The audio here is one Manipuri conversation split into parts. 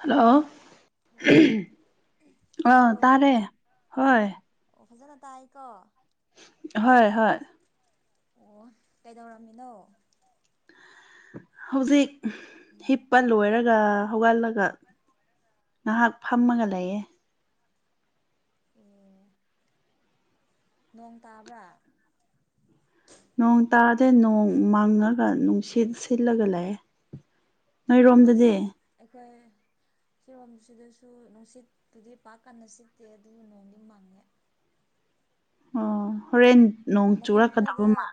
ꯍꯂꯣ ꯍꯜꯂꯣ ꯑ ꯇꯥꯕ꯭ꯔꯣ ꯇꯥꯔꯦ ꯍꯣꯏ ꯑꯣ ꯐꯖꯟꯅ ꯇꯥꯏꯀꯣ ꯍꯣꯏ ꯍꯣꯏ ꯑꯣ ꯀꯩꯗꯧꯔꯝꯃꯤꯅꯣ ꯍꯧꯖꯤꯛ ꯍꯤꯞꯄ ꯂꯣꯏꯔꯒ ꯍꯧꯒꯠꯂꯒ ꯉꯍꯥꯛ ꯐꯝꯃꯒ ꯂꯩꯌꯦ ꯑꯦ ꯅꯣꯡ ꯇꯥꯕ꯭ꯔꯥ ꯅꯣꯡ ꯇꯥꯗ꯭ꯔꯦ ꯅꯣꯡ ꯃꯪꯉꯒ ꯅꯨꯡꯁꯤꯠ ꯁꯤꯜꯂꯒ ꯂꯩꯑꯦ ꯑꯁ ꯑꯩꯈꯣꯏ ꯁꯤꯔꯣꯝꯁꯤꯗꯁꯨ ꯅꯨꯡꯁꯤꯠꯄꯨꯗꯤ ꯄꯥꯛ ꯀꯟꯅ ꯁꯤꯠꯇꯦ ꯑꯗꯨꯕꯨ ꯅꯣꯡꯗꯤ ꯃꯪꯉꯦ ꯑꯣ ꯍꯣꯔꯦꯟ ꯅꯣꯡ ꯃꯐꯝ ꯆꯨꯔꯛꯀꯗꯕ ꯈꯔꯗ ꯃꯥ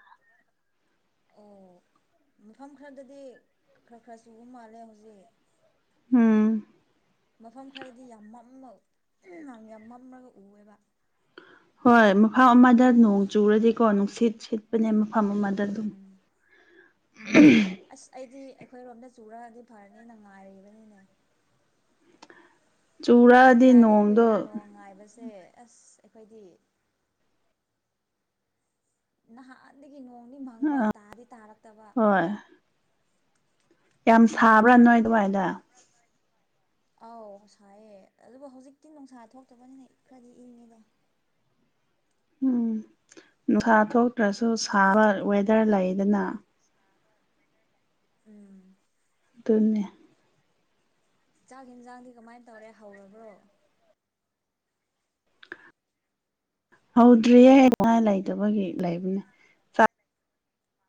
ꯑꯣ ꯃꯐꯝ ꯈꯔꯗꯗꯤ ꯈꯔ ꯈꯔ ꯆꯨꯕ ꯃꯥꯜꯂꯦ ꯍꯧꯖꯤꯛ ꯎꯝ ꯃꯐꯝ ꯈꯔꯗꯤ ꯌꯥꯝ ꯃꯝꯃ ꯌꯥꯝ ꯃꯝꯃꯒ ꯎꯑꯦꯕ ꯍꯣꯏ ꯃꯐꯝ ꯑꯃꯗ ꯅꯣꯡ ꯆꯨꯔꯗꯤꯀꯣ ꯅꯨꯡꯁꯤꯠ ꯁꯤꯠ ꯄꯅꯦ ꯃꯐꯝ ꯑꯃꯗ ꯑꯗꯨꯝ ꯎꯝ ꯑꯁ ꯑꯩꯗꯤ ꯑꯩꯈꯣꯏꯔꯣꯝꯗ ꯆꯨꯔꯑꯗꯤ ꯐꯔꯅꯤ ꯅ ꯉꯥꯏꯔꯤꯕꯅꯤꯅꯦ ꯆꯨꯨꯔꯥ ꯀꯌꯥꯗꯤ ꯀꯨꯏꯔꯦ ꯅꯣꯡ ꯉꯥꯏꯕꯁꯦ ꯑꯁ ꯑꯩꯈꯣꯏꯗꯤ ꯅꯍꯥꯟꯗꯒꯤ ꯅꯣꯡꯗꯤ ꯑ ꯃꯪꯕ ꯇꯥꯗꯤ ꯇꯥꯔꯛꯇꯕ ꯍꯣꯏ ꯌꯥꯝ ꯁꯥꯕ꯭ꯔꯥ ꯅꯣꯏ ꯑꯗꯨꯋꯥꯏꯗ ꯑꯧ ꯁꯥꯏꯌꯦ ꯑꯗꯨꯕꯨ ꯍꯧꯖꯤꯛꯇꯤ ꯅꯨꯡꯁꯥ ꯊꯣꯛꯇꯕꯅꯤꯅ ꯈꯔꯗꯤ ꯏꯪꯉꯤꯗ ꯎꯝ ꯅꯨꯡꯁꯥ ꯊꯣꯛꯇ꯭ꯔꯁꯨ ꯁꯥꯕ ꯋꯦꯗꯔ ꯂꯩꯗꯅ ꯎꯝ ꯗꯨꯅꯦ ꯆꯥꯛ ꯍꯦꯟꯖꯥꯡꯗꯤ ꯀꯃꯥꯏ ꯇꯧꯔꯦ ꯍꯧꯔꯕ꯭ꯔꯣ? ꯍꯧꯗ꯭ꯔꯤꯌꯦ [unintelligible] ꯂꯩꯇꯕꯒꯤ ꯂꯩꯕꯅꯦ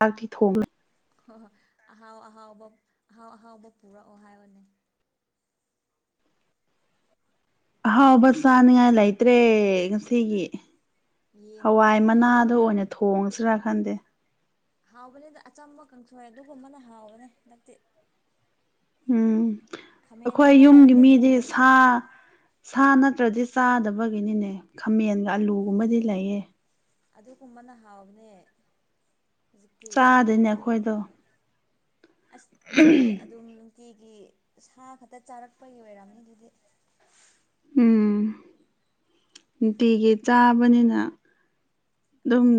ꯑꯥꯛꯇꯤ ꯊꯣꯡꯂꯦ ꯍꯣ ꯍꯣ ꯑꯍꯥꯎ ꯑꯍꯥꯎꯕ ꯑꯍꯥꯎ ꯑꯍꯥꯎꯕ ꯄꯨꯔꯛꯑꯣ ꯍꯥꯏꯕꯅꯦ ꯑꯍꯥꯎꯕ ꯆꯥꯅꯤꯉꯥꯏ ꯂꯩꯇ꯭ꯔꯦ ꯉꯁꯤꯒꯤ ꯍꯋꯥꯏ ꯌꯦꯟꯒꯨꯝꯕ ꯃꯅꯥꯗꯣ ꯑꯣꯏꯅ ꯊꯣꯡꯁꯤꯔꯥ ꯈꯟꯗꯦ ꯍꯥꯎꯕꯅꯦꯗ ꯑꯆꯝꯕ ꯀꯪꯁꯣꯏ ꯑꯗꯨꯒꯨꯝꯕꯅ ꯍꯥꯎꯕꯅꯦ ꯗꯛꯇꯤ ꯎꯝ ꯑꯈꯣꯏ ꯈꯥꯃꯦꯟꯒꯨꯝꯕ ꯌꯨꯝꯒꯤ ꯂꯩꯔꯗꯤ ꯃꯤꯗꯤ ꯊꯣꯡꯖꯤꯜꯂꯣ ꯁꯥ ꯁꯥ ꯅꯠꯇ꯭ꯔꯗꯤ ꯆꯥꯗꯕꯒꯤꯅꯤꯅꯦ ꯈꯥꯃꯦꯟꯒ ꯑꯥꯂꯨꯒꯨꯝꯕꯗꯤ ꯂꯩꯌꯦ꯫ ꯑꯗꯨꯒꯨꯝꯕꯅ ꯍꯥꯎꯕꯅꯦ ꯍꯨꯖꯤꯛꯇꯤ ꯆꯥꯗꯣꯏꯅꯦ ꯑꯩꯈꯣꯏꯗꯣ ꯑꯆꯝꯕꯒꯨꯝꯕ ꯑꯁ ꯅꯣꯏꯗꯤ ꯑꯗꯨꯝ ꯅꯨꯡꯇꯤꯒꯤ ꯁꯥ ꯈꯛꯇ ꯆꯥꯔꯛꯄꯒꯤ ꯑꯣꯏꯔꯝꯅꯤ ꯑꯗꯨꯗꯤ꯫ ꯎꯝ ꯅꯨꯡꯇꯤꯒꯤ ꯆꯥꯕꯅꯤꯅ ꯑꯗꯨꯝ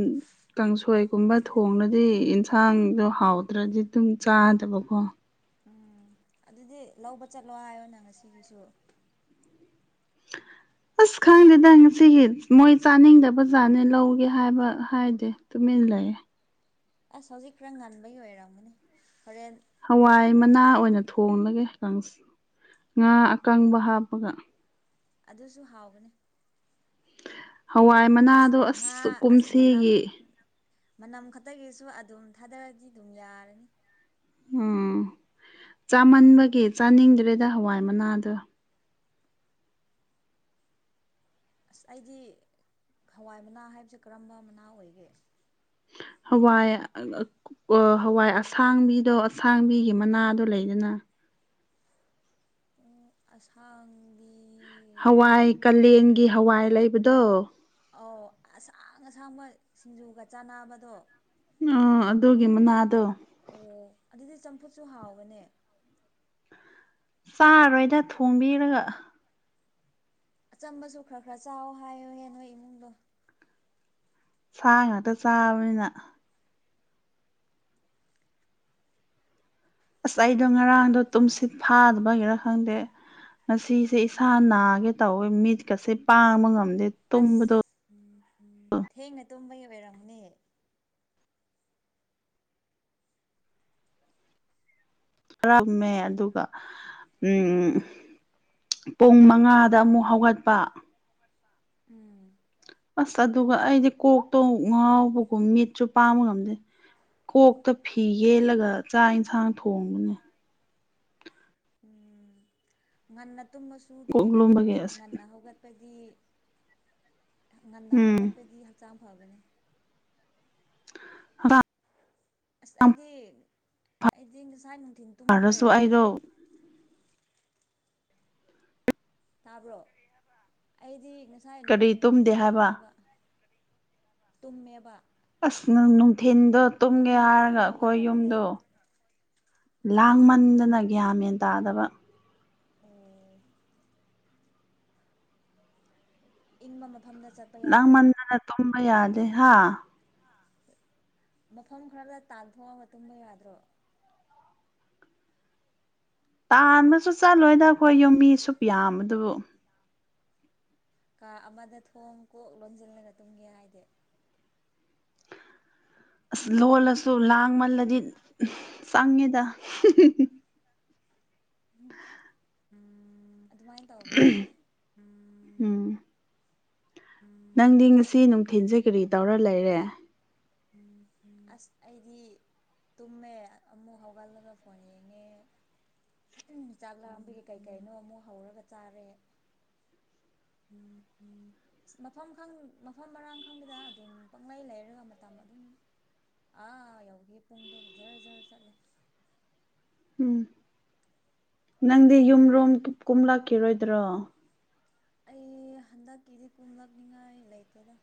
ꯀꯥꯡꯁꯣꯏꯒꯨꯝꯕ ꯊꯣꯡꯅꯗꯤ ꯌꯦꯟꯁꯥꯡꯗꯣ ꯍꯥꯎꯇ꯭ꯔꯗꯤ ꯑꯗꯨꯝ ꯆꯥꯗꯕꯀꯣ ꯎꯝ ꯑꯗꯨꯗꯤ ꯂꯧꯕ ꯆꯠꯂꯣ ꯍꯥꯏꯌꯣꯅ ꯉꯁꯤꯒꯤꯁꯨ꯫ [inaudible] ꯑꯁ ꯈꯪꯗꯦꯗ ꯉꯁꯤꯒꯤ ꯃꯣꯏ ꯆꯥꯅꯤꯡꯗꯕꯖꯥꯠꯅꯦ ꯂꯧꯒꯦ ꯍꯥꯏꯕ ꯍꯥꯏꯗꯦ ꯫ ꯇꯨꯃꯤꯟ ꯂꯩꯌꯦ꯫ ꯑꯁ ꯍꯧꯖꯤꯛ ꯈꯔ ꯉꯟꯕꯩ ꯑꯣꯏꯔꯝꯒꯅꯤ ꯍꯣꯔꯦꯟ ꯍꯋꯥꯏ ꯃꯅꯥ ꯑꯣꯏꯅ ꯊꯣꯡꯂꯒꯦ ꯀꯪꯁ ꯉꯥ ꯑꯀꯪꯕ ꯍꯥꯞꯄꯒ ꯑꯗꯨꯁꯨ ꯍꯥꯎꯕꯅꯤ ꯍꯋꯥꯏ ꯑꯁ ꯃꯅꯥꯗꯣ ꯉꯥ ꯑꯁ ꯃꯅꯝ ꯀꯨꯝꯁꯤꯒꯤ ꯃꯅꯝ ꯈꯛꯇꯒꯤꯁꯨ ꯑꯗꯨꯝ ꯊꯥꯗꯔꯗꯤ ꯑꯗꯨꯝ ꯌꯥꯔꯅꯤ ꯎꯝ ꯆꯥꯃꯟꯕꯒꯤ ꯆꯥꯅꯤꯡꯗ꯭ꯔꯦꯗ ꯍꯋꯥꯏ ꯃꯅꯥꯗꯣ꯫ ꯑꯁ ꯑꯩꯗꯤ ꯍꯋꯥꯏ ꯃꯅꯥ ꯍꯥꯏꯕꯁꯦ ꯀꯔꯝꯕ ꯃꯅꯥ ꯑꯣꯏꯒꯦ ꯍꯋꯥꯏ ꯑꯥ ꯍꯋꯥꯏ ꯑꯁꯥꯡꯕꯤꯗꯣ ꯑꯁꯥꯡꯕꯤꯒꯤ ꯃꯅꯥꯗꯣ ꯂꯩꯗꯅ ꯎꯝ ꯑꯁꯥꯡ ꯍꯋꯥꯏ ꯀꯥꯂꯦꯟꯒꯤ ꯍꯋꯥꯏ ꯂꯩꯕꯗꯣ ꯑꯧ ꯑꯁꯥꯡ ꯑꯁꯥꯡꯕ ꯁꯤꯡꯖꯨꯒ ꯆꯥꯟꯅꯕꯗꯣ ꯑꯥ ꯑꯗꯨꯒꯤ ꯃꯅꯥꯗꯣ ꯑꯣ ꯑꯗꯨꯗꯤ ꯆꯝꯐꯨꯠꯁꯨ ꯍꯥꯎꯕꯅꯦ ꯆꯥꯔꯣꯏꯗ ꯊꯣꯡꯕꯤꯔꯒ ꯑꯆꯝꯕꯁꯨ ꯈꯔ ꯈꯔ ꯆꯥꯎ ꯍꯥꯏꯌꯣꯍꯦ ꯅꯣꯏ ꯏꯃꯨꯡꯗꯣ꯫ ꯁꯥ ꯉꯥꯛꯇ ꯆꯥꯕꯅꯤꯅ ꯑꯁ ꯑꯩꯗꯣ ꯉꯔꯥꯡꯗꯣ ꯇꯨꯝꯁꯤꯠ ꯐꯥꯗꯕꯒꯤꯔ ꯈꯪꯗꯦ ꯉꯁꯤꯁꯦ ꯏꯁꯥ ꯅꯥꯒꯦ ꯇꯧꯋꯦ ꯃꯤꯠꯀꯁꯦ ꯄꯥꯡꯕ ꯉꯝꯗꯦ ꯑꯁ ꯇꯨꯝꯕꯗꯣ ꯈꯔ ꯊꯦꯡꯅ ꯇꯨꯝꯕꯒꯤ ꯑꯣꯏꯔꯝꯅꯤ ꯔꯝꯃꯦ ꯑꯗꯨꯒ ꯎꯝ ꯄꯨꯡ ꯃꯉꯥꯗ ꯑꯃꯨꯛ ꯍꯧꯒꯠꯄ ꯎꯝ ꯑꯁ ꯑꯗꯨꯒ ꯑꯩꯗꯤ ꯀꯣꯛꯇꯣ ꯉꯥꯎꯕꯒꯨꯝ ꯃꯤꯠꯁꯨ ꯄꯥꯡꯕ ꯉꯝꯗꯦ ꯀꯣꯛꯇ ꯐꯤ ꯌꯦꯠꯂꯒ ꯆꯥꯛ ꯌꯦꯟꯁꯥꯡ ꯊꯣꯡꯕꯅꯦ꯫ ꯎꯝ ꯉꯟꯅ ꯇꯨꯝꯃꯁꯨ ꯀꯣꯛ ꯊꯦꯡꯅ ꯂꯨꯝꯕꯒꯤ ꯇꯨꯝꯃꯁꯨ ꯑꯁ ꯉꯟꯅ ꯍꯧꯒꯠ ꯄꯗꯤ ꯉꯟꯅ ꯎꯝ ꯍꯧꯒꯠꯄꯗꯤ ꯍꯛꯆꯥꯡ ꯐꯕꯅꯦ ꯑ ꯑꯁ ꯑꯩꯗꯤ ꯑꯩꯗꯤ ꯉꯁꯥꯏ ꯅꯨꯡꯊꯤꯟ ꯇꯨꯝꯈ꯭ꯔꯦ ꯍꯥꯏꯔꯁꯨ ꯑꯩꯗꯣ ꯇꯥꯕ꯭ꯔꯣ ꯑꯩꯗꯤ ꯉꯁꯥꯏ ꯀꯔꯤ ꯅꯨꯡꯊꯤꯟ ꯇꯨꯝꯗꯦ ꯍꯥꯏꯕ ꯇꯨꯝꯈ꯭ꯔꯕꯅꯦꯕ ꯇꯨꯝꯃꯦꯕ ꯑꯁ ꯅꯪ ꯅꯨꯡꯊꯤꯟꯗ ꯇꯨꯝꯒꯦ ꯇꯨꯝꯃꯒ ꯍꯥꯏꯔꯒ ꯑꯃꯨꯛ ꯑꯩꯈꯣꯏ ꯍꯧꯒꯠꯂꯕꯅꯦ ꯌꯨꯝꯗꯣ ꯎꯝ ꯂꯥꯡꯃꯟꯗꯅ ꯒ꯭ꯌꯥꯟ ꯃꯦꯟ ꯇꯥꯗꯕ ꯎꯝ ꯏꯪꯕ ꯃꯐꯝꯗ ꯆꯠ ꯂꯥꯡꯃꯟꯗꯅ ꯇꯨꯝꯕ ꯌꯥꯗꯦ ꯍꯥ ꯃꯐꯝ ꯈꯔꯗ ꯇꯥꯟꯊꯣꯛꯑꯒ ꯇꯨꯝꯕ ꯌꯥꯗ꯭ꯔꯣ ꯇꯥꯟꯕꯁꯨ ꯆꯠꯂꯣꯏꯗ ꯑꯩꯈꯣꯏ ꯌꯨꯝꯃꯤ ꯁꯨꯞ ꯌꯥꯝꯕ ꯗꯨꯕꯨ ꯀꯥ ꯑꯃꯗ ꯊꯣꯡ ꯀꯣꯛ ꯂꯣꯟꯁꯤꯜꯂꯒ ꯇꯨꯝꯒꯦ ꯍꯥꯏꯗꯤ ꯑꯁ ꯂꯣꯜꯂꯁꯨ ꯂꯥꯡꯃꯜꯂꯗꯤ ꯆꯪꯉꯦꯗ ꯎꯝ ꯎꯝ ꯑꯗꯨꯃꯥꯏꯟ ꯇꯧꯕꯅꯦ ꯎꯝ ꯎꯝ ꯅꯪꯗꯤ ꯉꯁꯤ ꯅꯨꯡꯊꯤꯟꯁꯦ ꯀꯔꯤ ꯇꯧꯔ ꯂꯩꯔꯦ ꯑꯁ ꯑꯩꯗꯤ ꯇꯨꯝꯃꯦ ꯑꯃꯨꯛ ꯍꯧꯒꯠꯂꯒ ꯐꯣꯟ ꯌꯦꯡꯉꯦ ꯆꯥꯛ ꯂꯥꯡꯝꯕꯒꯤ ꯀꯩ ꯀꯩꯅꯣ ꯑꯃꯨꯛ ꯍꯧꯔꯒ ꯆꯥꯔꯦ ꯎꯝ ꯎꯝ ꯑꯁ ꯃꯐꯝ ꯈꯪ ꯃꯐꯝ ꯃꯔꯥꯡ ꯈꯪꯗꯅ ꯑꯗꯨꯝ ꯄꯪꯂꯩ ꯂꯩꯔꯒ ꯃꯇꯝ ꯑꯗꯨꯝ ꯑꯥ ꯌꯧꯒꯤ ꯄꯨꯡꯗꯣ ꯖꯔ ꯖꯔ ꯆꯠꯂꯦ ꯎꯝ ꯅꯪꯗꯤ ꯌꯨꯝꯔꯣꯝ ꯀꯨꯝ ꯂꯥꯛꯈꯤꯔꯣꯏꯗ꯭ꯔꯣ ꯑꯩ ꯍꯟꯗꯛꯀꯤꯗꯤ ꯀꯨꯝꯂꯛꯅꯤꯉꯥꯏ ꯂꯩꯇꯦꯗ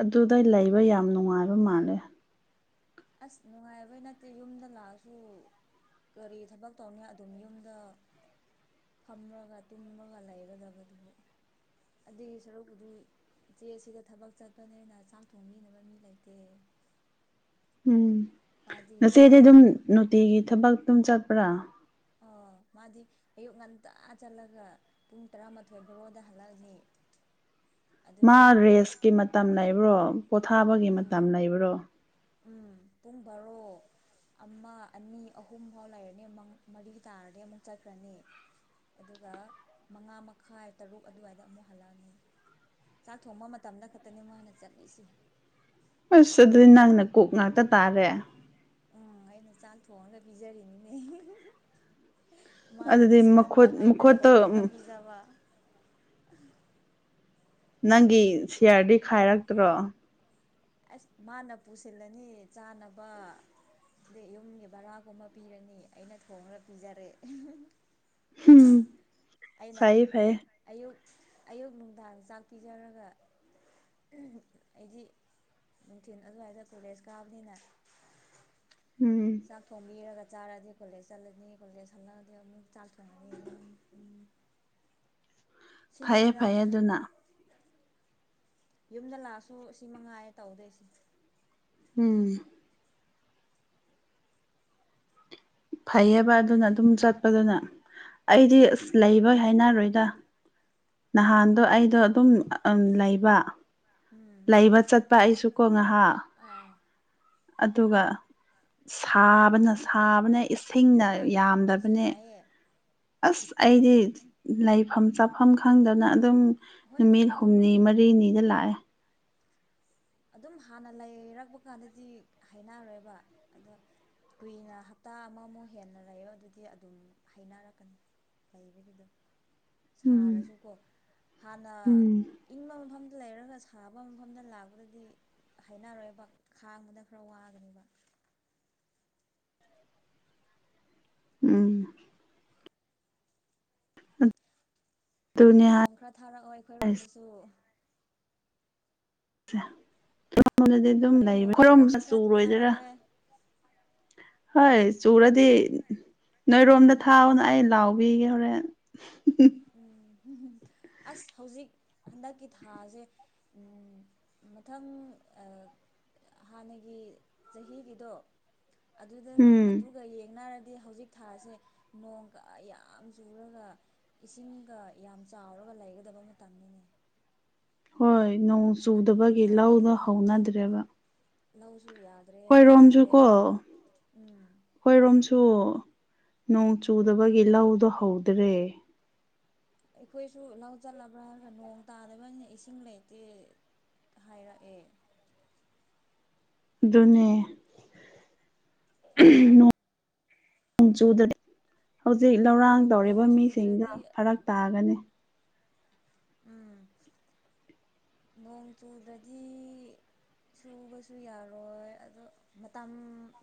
ꯑꯗꯨꯗꯩ ꯂꯩꯕ ꯌꯥꯝ ꯅꯨꯡꯉꯥꯏꯕ ꯃꯥꯜꯂꯦ ꯑꯁ ꯅꯨꯡꯉꯥꯏꯕꯩ ꯅꯠꯇꯦ ꯌꯨꯝꯗ ꯂꯥꯛꯑꯁꯨ ꯀꯔꯤ ꯊꯕꯛ ꯇꯧꯅꯤꯉꯥꯏ ꯑꯗꯨꯝ ꯌꯨꯝꯗ ꯐꯝꯔꯒ ꯇꯨꯝꯃꯒ ꯂꯩꯒꯗꯕꯗꯨꯕꯨ ꯑꯗꯨꯒꯤ ꯁꯔꯨꯛꯄꯨꯗꯤ ꯏꯆꯦ ꯑꯁꯤꯗ ꯊꯕꯛ ꯆꯠꯄꯅꯦꯅ ꯆꯥꯛ ꯊꯣꯡꯕꯤꯅꯕ ꯃꯤ ꯂꯩꯇꯦ ꯎꯝ ꯃꯥꯗꯤ ꯅꯆꯦꯗꯤ ꯑꯗꯨꯝ ꯅꯨꯡꯇꯤꯒꯤ ꯊꯕꯛꯇ ꯑꯗꯨꯝ ꯆꯠꯄ꯭ꯔꯥ ꯑꯧ ꯃꯥꯗꯤ ꯑꯌꯨꯛ ꯉꯟꯇꯥ ꯆꯠꯂꯒ ꯄꯨꯡ ꯇꯔꯥꯃꯥꯊꯣꯏ ꯕꯣꯔꯣꯗ ꯍꯜꯂꯛꯑꯅꯤ ꯃꯥ ꯑꯗꯨꯒ ꯔꯦꯁꯀꯤ ꯃꯇꯝ ꯂꯩꯕ꯭ꯔꯣ ꯄꯣꯊꯥꯕꯒꯤ ꯎꯝ ꯃꯇꯝ ꯂꯩꯕ꯭ꯔꯣ ꯎꯝ ꯄꯨꯡ ꯕꯥꯔꯣ ꯑꯃ ꯑꯅꯤ ꯑꯍꯨꯝꯐꯥꯎ ꯂꯩꯔꯅꯤ ꯃ ꯃꯔꯤ ꯇꯥꯔꯗꯤ ꯑꯃꯨꯛ ꯆꯠꯈ꯭ꯔꯅꯤ ꯑꯗꯨꯒ ꯃꯉꯥ ꯃꯈꯥꯏ ꯇꯔꯨꯛ ꯑꯗꯨꯋꯥꯏꯗ ꯑꯃꯨꯛ ꯍꯜꯂꯛꯑꯅꯤ ꯆꯥꯛ ꯊꯣꯡꯕ ꯃꯇꯝꯗ ꯈꯛꯇꯅꯦ ꯃꯥꯅ ꯆꯠꯂꯤꯁꯦ ꯑꯁ ꯑꯗꯨꯗꯤ ꯅꯪꯅ ꯀꯨꯛ ꯉꯥꯛꯇ ꯇꯥꯔꯦ ꯎꯝ ꯑꯩꯅ ꯆꯥꯛ ꯊꯣꯡꯉꯒ ꯄꯤꯖꯔꯤꯅꯤꯅꯦ ꯃꯥꯅ ꯑꯗꯨꯗꯤ ꯄꯨꯁꯤꯜꯂꯛꯄ ꯃꯈꯨꯠ ꯑꯩꯅ ꯃꯈꯨꯠꯇꯣ ꯊꯣꯡꯉꯒ ꯄꯤꯖꯕ ꯅꯪꯒꯤ ꯁꯤꯌꯥꯔꯗꯤ ꯈꯥꯏꯔꯛꯇ꯭ꯔꯣ ꯑꯁ ꯃꯥꯅ ꯄꯨꯁꯤꯜꯂꯅꯤ ꯆꯥꯅꯕ ꯑꯗꯩ ꯌꯨꯝꯒꯤ ꯕꯔꯥꯒꯨꯝꯕ ꯄꯤꯔꯅꯤ ꯑꯩꯅ ꯊꯣꯡꯉꯒ ꯄꯤꯖꯔꯦ ꯍꯨꯝ ꯑꯩꯅ ꯑꯌꯨꯛ ꯑꯌꯨꯛ ꯅꯨꯡꯗꯥꯡ ꯆꯥꯛ ꯄꯤꯖꯔꯒ ꯑꯩꯗꯤ ꯅꯨꯡꯊꯤꯟ ꯑꯗꯨꯋꯥꯏꯗ ꯀꯣꯂꯦꯖ ꯀꯥꯕꯅꯤꯅ ꯎꯝ ꯆꯥꯛ ꯊꯣꯡꯕꯤꯔꯒ ꯆꯥꯔꯗꯤ ꯀꯣꯂꯦꯖ ꯆꯠꯂꯅꯤ ꯀꯣꯂꯦꯖ ꯍꯜꯂꯛꯑꯗꯤ ꯑꯃꯨꯛ ꯆꯥꯛ ꯊꯣꯡꯉꯅꯤ ꯐꯩꯌꯦ ꯁꯤꯅꯦꯗꯅ ꯐꯩꯌꯦ ꯑꯗꯨꯅ ꯌꯨꯝꯗ ꯂꯥꯛꯑꯁꯨ ꯑꯁꯤ ꯃꯉꯥꯏꯌꯦ ꯇꯧꯗꯣꯏꯁꯤ ꯎꯝ ꯐꯩꯌꯦꯕ ꯑꯗꯨꯅ ꯑꯗꯨꯝ ꯆꯠꯄꯗꯨꯅ ꯑꯩꯗꯤ ꯎꯝ ꯑꯁ ꯂꯩꯕ ꯍꯩꯅꯔꯣꯏꯗ ꯅꯍꯥꯟꯗꯣ ꯑꯩ ꯑꯗꯣ ꯑꯗꯨꯝ ꯂꯩꯕ ꯎꯝ ꯂꯩꯕ ꯆꯠꯄ ꯑꯩꯁꯨꯀꯣ ꯉꯥꯏꯍꯥꯛ ꯑꯥ ꯑꯗꯨꯒ ꯁꯥꯕꯅ ꯁꯥꯕꯅ ꯏꯁꯤꯡꯅ ꯍꯣꯏ ꯌꯥꯝꯗꯕꯅꯦ ꯁꯥꯏꯌꯦ ꯑꯁ ꯑꯩꯗꯤ ꯂꯩꯐꯝ ꯆꯥꯐꯝ ꯈꯪꯗꯅ ꯑꯗꯨꯝ ꯍꯣꯏ ꯅꯨꯃꯤꯠ ꯑꯗꯨꯝ ꯍꯨꯝꯅꯤ ꯃꯔꯤꯅꯤꯗ ꯂꯥꯛꯑꯦ ꯑꯗꯨꯝ ꯍꯥꯟꯅ ꯂꯩꯔꯛꯄ ꯀꯥꯟꯗꯗꯤ ꯍꯩꯅꯔꯣꯏꯕ ꯑꯗꯣ ꯀꯨꯏꯅ ꯍꯞꯇꯥ ꯑꯃꯃꯨꯛ ꯍꯦꯟꯅ ꯂꯩꯌꯣ ꯑꯗꯨꯗꯤ ꯑꯗꯨꯝ ꯍꯩꯅꯔꯛꯀꯅꯤ ꯂꯩꯕꯒꯤꯗꯣ ꯎꯝ ꯁꯥꯔꯁꯨꯀꯣ ꯍꯥꯟꯅ ꯎꯝ ꯏꯪꯕ ꯃꯐꯝꯗ ꯂꯩꯔꯒ ꯁꯥꯕ ꯃꯐꯝꯗ ꯂꯥꯛꯄꯗ ꯂꯥꯛꯄꯗꯗꯤ ꯍꯩꯅꯔꯣꯏꯕ ꯈꯥꯡꯕꯗ ꯈꯔ ꯋꯥꯒꯅꯤꯕ ꯎꯝ ꯑꯗꯨꯅꯦ ꯅꯣꯡ ꯈꯔ ꯊꯥꯔꯛꯑꯣ ꯑꯩꯈꯣꯏꯔꯣꯝꯗꯁꯨ ꯅꯣꯡꯗꯗꯤ ꯑꯗꯨꯝ ꯍꯣꯔꯦꯟ ꯂꯩꯕꯔ ꯅꯣꯡ ꯆꯨꯔꯗꯤ ꯑꯩꯈꯣꯏꯔꯣꯝꯗꯗꯤ ꯈꯔ ꯆꯨꯔꯣꯏꯗꯣꯏꯔ ꯊꯥꯔꯛꯑꯣ ꯍꯣꯏ ꯆꯨꯔꯗꯤ ꯅꯣꯏꯔꯣꯝꯗ ꯊꯥꯎꯑꯣꯅ ꯑꯩ ꯂꯥꯎ ꯄꯤꯒꯦ ꯍꯣꯔꯦꯟ ꯎꯝ ꯑꯁ ꯍꯧꯖꯤꯛ ꯍꯟꯗꯛꯀꯤ ꯊꯥꯁꯦ ꯎꯝ ꯃꯊꯪ ꯑꯥ ꯍꯥꯟꯅꯒꯤ ꯆꯍꯤꯒꯤꯗꯣ ꯑꯗꯨ ꯎꯝ ꯑꯗꯨꯒ ꯌꯦꯡꯅꯔꯗꯤ ꯍꯧꯖꯤꯛ ꯊꯥꯁꯦ ꯅꯣꯡꯒ ꯌꯥꯝ ꯆꯨꯔꯒ ꯏꯁꯤꯡꯒ ꯌꯥꯝ ꯆꯥꯎꯔꯒ ꯂꯩꯒꯗꯕ ꯃꯇꯝꯅꯤꯅꯦ ꯍꯣꯏ ꯅꯣꯡ ꯑꯗꯨꯒꯤ ꯆꯨꯗꯕꯒꯤ ꯂꯧꯗꯣ ꯊꯥꯗꯨꯅꯤꯅꯦ ꯅꯣꯡꯁꯨ ꯍꯧꯅꯗ꯭ꯔꯦꯕ ꯂꯧꯁꯨ ꯌꯥꯗ꯭ꯔꯦ ꯁꯨꯗ꯭ꯔꯦ ꯑꯩꯈꯣꯏꯔꯣꯝꯁꯨꯀꯣ ꯎꯝ ꯑꯩꯈꯣꯏꯔꯣꯝꯁꯨ ꯅꯣꯡ ꯆꯨꯗꯕꯒꯤ ꯂꯧꯗꯣ ꯍꯧꯗ꯭ꯔꯦ ꯑꯩꯈꯣꯏꯁꯨ ꯂꯧ ꯆꯠꯂꯕ꯭ꯔꯥ ꯍꯥꯏꯔꯒ ꯅꯣꯡ ꯇꯥꯗꯕꯅꯤꯅ ꯏꯁꯤꯡ ꯂꯩꯇꯦ ꯍꯥꯏꯔꯛꯑꯦ ꯑꯗꯨꯅꯦ ꯅꯣꯡ ꯆꯨꯗꯔꯦ ꯍꯧꯖꯤꯛ ꯂꯧꯔꯥꯡ ꯅꯣꯡ ꯇꯧꯔꯤꯕ ꯃꯤꯁꯤꯡꯗ ꯆꯨꯗ꯭ꯔꯗꯤ ꯐꯔꯛ ꯇꯥꯒꯅꯤ ꯎꯝ ꯅꯣꯡ ꯆꯨꯗ꯭ꯔꯗꯤ ꯁꯨꯕꯥꯁꯨ ꯌꯥꯔꯣꯏ ꯑꯗꯣ ꯃꯇꯝ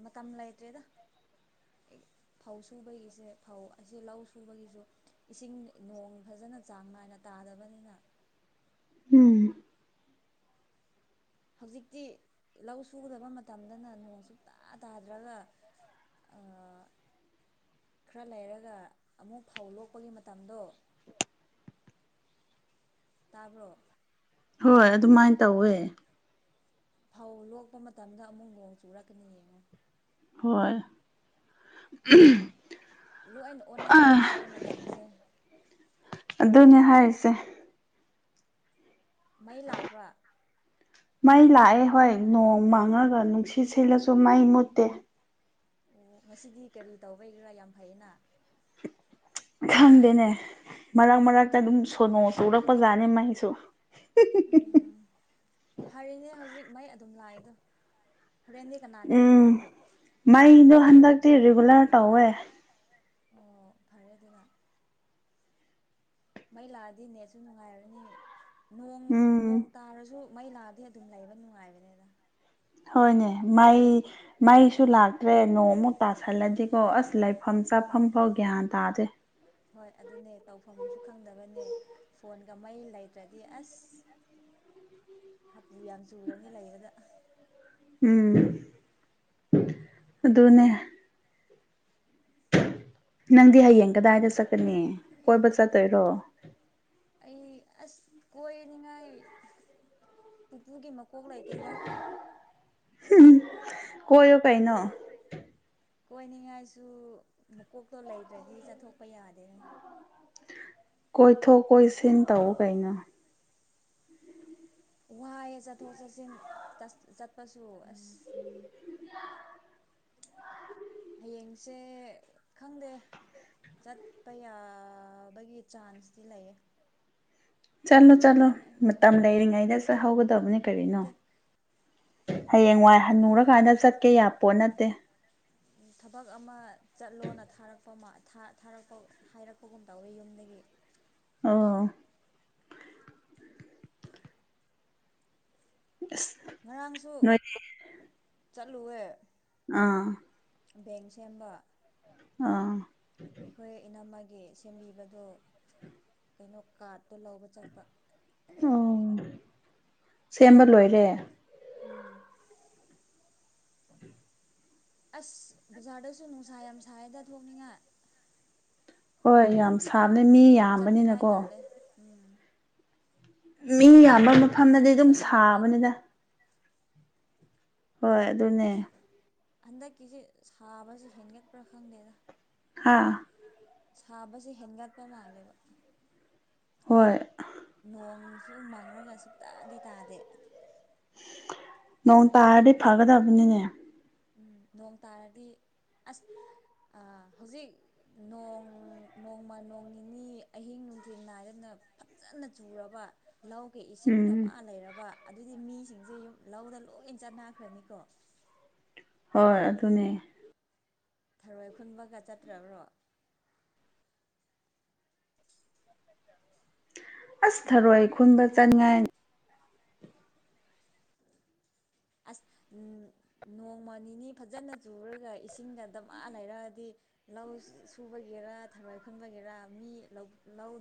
ꯃꯇꯝ ꯂꯩꯇ꯭ꯔꯦꯗ ꯐꯧ ꯁꯨꯕꯥꯒꯤꯁꯦ ꯐꯧ ꯑꯁꯤ ꯂꯧ ꯁꯨꯕꯒꯤꯁꯨ ꯏꯁꯤꯡ ꯅꯣꯡ ꯐꯖꯅ ꯆꯥꯡ ꯅꯥꯏꯅ ꯇꯥꯗꯕꯅꯤꯅ ꯎꯝ ꯍꯧꯖꯤꯛꯇꯤ ꯂꯧ ꯁꯨꯒꯗꯕ ꯃꯇꯝꯗꯅ ꯅꯣꯡ ꯁꯨꯇꯥ ꯇꯥꯗ꯭ꯔꯒ ꯑ ꯈꯔ ꯂꯩꯔꯒ ꯑꯃꯨꯛ ꯐꯧ ꯂꯣꯛꯄꯒꯤ ꯃꯇꯝꯗꯣ ꯇꯥꯕ꯭ꯔꯣ ꯍꯣꯏ ꯑꯗꯨꯃꯥꯏꯟ ꯇꯧꯋꯦ ꯐꯧ ꯂꯣꯛꯄ ꯃꯇꯝꯗ ꯑꯃꯨꯛ ꯅꯣꯡ ꯆꯨꯔꯛꯀꯅꯤ ꯌꯦꯡꯉꯨ ꯍꯣꯏ ꯂꯣꯏꯅ ꯑꯣꯟꯅ ꯇꯩꯅꯔꯦ ꯃꯇꯝꯁꯦ ꯑꯗꯨꯅꯦ ꯍꯥꯏꯔꯤꯁꯦ ꯃꯩ ꯂꯥꯛꯄ꯭ꯔꯥ ꯃꯩ ꯂꯥꯛꯑꯦ ꯍꯣꯏ ꯅꯣꯡ ꯃꯪꯉꯒ ꯅꯨꯡꯁꯤꯠ ꯁꯤꯠꯂꯁꯨ ꯃꯩ ꯃꯨꯠꯇꯦ ꯑꯣ ꯉꯁꯤꯗꯤ ꯀꯔꯤ ꯇꯧꯕꯩꯒꯤꯔꯥ ꯌꯥꯝ ꯐꯩꯌꯦꯅꯥ ꯈꯪꯗꯦꯅꯦ ꯃꯔꯛ ꯃꯔꯛꯇ ꯑꯗꯨꯝ ꯁꯣꯅꯣ ꯆꯨꯔꯛꯄ ꯖꯥꯠꯅꯤ ꯃꯩꯁꯨ [unintelligible] ꯎꯝ ꯐꯔꯤꯅꯦ ꯍꯧꯖꯤꯛ ꯃꯩ ꯑꯗꯨꯝ ꯂꯥꯛꯏꯗꯣ ꯍꯣꯔꯦꯟꯗꯤ ꯀꯅꯥꯅ ꯎꯝ ꯈꯪꯒꯅꯤ ꯃꯩꯗꯣ ꯍꯟꯗꯛꯇꯤ ꯔꯤꯒꯨꯂꯔ ꯇꯧꯋꯦ ꯑꯣ ꯐꯔꯦ ꯑꯗꯨꯅ ꯃꯩ ꯂꯥꯛꯑꯗꯤ ꯅꯦꯠꯁꯨ ꯅꯨꯡꯉꯥꯏꯔꯅꯤ ꯅꯣꯡ ꯅꯣꯡ ꯎꯝ ꯇꯥꯔꯁꯨ ꯃꯩ ꯂꯥꯛꯑꯗꯤ ꯑꯗꯨꯝ ꯂꯩꯕ ꯅꯨꯡꯉꯥꯏꯕꯅꯦꯗꯥ ꯍꯣꯏꯅꯦ ꯃꯩ ꯃꯩꯁꯨ ꯂꯥꯛꯇ꯭ꯔꯦ ꯅꯣꯡ ꯑꯃꯨꯛ ꯇꯥꯁꯜꯂꯗꯤꯀꯣ ꯑꯁ ꯂꯩ ꯐꯝ ꯆꯥꯐꯝ ꯎꯝ ꯐꯥꯎ ꯒ꯭ꯌꯥꯟ ꯇꯥꯗꯦ ꯍꯣꯏ ꯑꯗꯨꯅꯦ ꯇꯧꯐꯝꯁꯨ ꯈꯪꯗꯕꯅꯦ ꯐꯣꯟꯒ ꯃꯩ ꯂꯩꯇ꯭ꯔꯗꯤ ꯑꯁ ꯍꯥꯄꯨ ꯌꯥꯝ ꯆꯨꯔꯅꯤ ꯂꯩꯕꯗ ꯎꯝ ꯑꯗꯨꯅꯦ ꯅꯪꯗꯤ ꯍꯌꯦꯡ ꯀꯗꯥꯏꯗ ꯆꯠꯀꯅꯤ ꯀꯣꯏꯕ ꯆꯠꯇꯣꯏꯔꯣ ꯑꯩ ꯑꯁ ꯀꯣꯏꯅꯤꯉꯥꯏ ꯄꯨꯄꯨꯒꯤ ꯃꯀꯣꯛ ꯂꯩꯇꯦꯗꯥ ꯀꯣꯏꯌꯨ ꯀꯩꯅꯣ ꯀꯣꯏꯅꯤꯡꯉꯥꯏꯁꯨ ꯃꯀꯣꯛꯇꯣ ꯂꯩꯇ꯭ꯔꯗꯤ ꯆꯠꯊꯣꯛꯄ ꯌꯥꯗꯦꯅꯦ ꯀꯣꯏꯊꯣꯛ ꯀꯣꯏꯁꯤꯟ ꯇꯧ ꯀꯩꯅꯣ ꯋꯥꯏꯑꯦ ꯆꯠꯊꯣꯛ ꯆꯠꯁꯤꯟ ꯇꯁ ꯆꯠꯄꯁꯨ ꯑꯁ ꯍꯌꯦꯡꯁꯦ ꯈꯪꯗꯦ ꯆꯠꯄ ꯌꯥꯕꯒꯤ ꯆꯥꯟꯁꯇꯤ ꯂꯩꯌꯦ ꯆꯠꯂꯣ ꯆꯠꯂꯣ ꯍꯥꯏꯗꯤ ꯃꯇꯝ ꯅꯠꯇꯦ ꯂꯩꯔꯤꯉꯩꯗ ꯆꯠꯍꯧꯒꯗꯕꯅꯤ ꯀꯔꯤꯅꯣ ꯍꯌꯦꯡꯋꯥꯏ ꯍꯟꯅꯨꯔꯀꯥꯟꯗ ꯆꯠꯀꯦ ꯌꯥꯄꯣꯠ ꯅꯠꯇꯦ ꯎꯝ ꯊꯕꯛ ꯑꯃ ꯆꯠꯂꯣꯅ ꯊꯥꯔꯛꯄ ꯃꯥ ꯊꯥ ꯊꯥꯔꯛꯄ ꯍꯥꯏꯔꯛꯄꯒꯨꯝ ꯇꯧꯋꯦ ꯌꯨꯝꯗꯒꯤ ꯑꯣ ꯑꯁ ꯉꯔꯥꯡꯁꯨ ꯅꯣꯏꯗꯤ ꯆꯠꯂꯨꯋꯦ ꯑꯥ ꯕꯦꯡ ꯁꯦꯝꯕ ꯑ ꯑꯩꯈꯣꯏ ꯏꯅꯝꯃꯒꯤ ꯁꯦꯝꯕꯤꯕꯗꯣ ꯀꯩꯅꯣ ꯀꯥꯔꯠꯇꯣ ꯂꯧꯕ ꯆꯠꯄ ꯑꯣ ꯁꯦꯝꯕ ꯂꯣꯏ ꯎꯝ ꯑꯁ ꯕꯖꯥꯔꯗꯁꯨ ꯅꯨꯡꯁꯥ ꯌꯥꯝ ꯁꯥꯏꯗ ꯊꯣꯛꯅꯤꯡꯉꯥꯏ ꯍꯣꯏ ꯌꯥꯝ ꯁꯥꯕꯅꯦ ꯃꯤ ꯌꯥꯝꯕꯅꯤꯅꯀꯣ ꯑꯦ ꯎꯝ ꯃꯤ ꯌꯥꯝꯕ ꯃꯐꯝꯗꯗꯤ ꯕꯖꯥꯔꯁꯨ ꯑꯗꯨꯝ ꯆꯠꯅꯤꯡꯉꯥꯏ ꯇꯜꯂꯦ ꯁꯥꯕꯅꯤꯗ ꯍꯣꯏ ꯑꯗꯨꯅꯦ ꯍꯟꯗꯛꯀꯤꯁꯦ ꯁꯥꯕꯁꯦ ꯍꯦꯟꯒꯠꯄ꯭ꯔꯥ ꯈꯪꯗꯦꯗ ꯍꯥꯥ ꯁꯥꯕꯁꯦ ꯍꯦꯟꯒꯠꯄ ꯃꯥꯜꯂꯦꯕ ꯍꯣꯏ ꯅꯣꯡꯁꯨ ꯃꯪꯔꯒ ꯁꯨꯛꯇꯗꯤ ꯇꯥꯗꯦ ꯅꯣꯡ ꯇꯥꯔꯗꯤ ꯐꯒꯗꯕꯅꯤꯅꯦ ꯎꯝ ꯅꯣꯡ ꯇꯥꯔꯗꯤ ꯑꯁ ꯑ ꯍꯧꯖꯤꯛ ꯅꯣꯡ ꯅꯣꯡꯃ ꯅꯣꯡ ꯅꯤꯅꯤ ꯑꯍꯤꯡ ꯅꯨꯡꯊꯤ ꯅꯥꯏꯗꯅ ꯐꯖꯅ ꯆꯨꯔꯕ ꯂꯧꯒꯤ ꯏꯁꯤꯡ ꯎꯝ ꯗꯙꯃꯥ ꯂꯩꯔꯕ ꯑꯗꯨꯗꯤ ꯃꯤꯁꯤꯡꯁꯦ ꯌꯨꯝ ꯂꯧꯗ ꯂꯣꯏ ꯆꯠꯅꯈ꯭ꯔꯅꯤꯀꯣ ꯍꯣꯏ ꯑꯗꯨꯅꯦ ꯊꯔꯣꯏ ꯈꯨꯟꯕꯒ ꯆꯠꯇ꯭ꯔꯕ꯭ꯔꯣ ꯑꯁ ꯊꯔꯣꯏ ꯈꯨꯟꯕ ꯆꯠꯉꯥꯏ ꯑꯁ ꯅꯣꯡꯃ ꯅꯤꯅꯤ ꯐꯖꯅ ꯆꯨꯔꯒ ꯏꯁꯤꯡꯒ ꯗꯃ ꯂꯩꯔꯛꯑꯗꯤ ꯂꯧ ꯁꯨꯕꯒꯤꯔꯥ ꯊꯔꯣꯏ ꯈꯨꯟꯕꯒꯤꯔꯥ ꯃꯤ ꯂꯧ ꯂꯧ